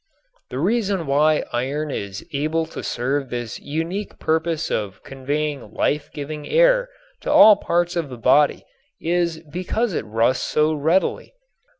The reason why iron is able to serve this unique purpose of conveying life giving air to all parts of the body is because it rusts so readily.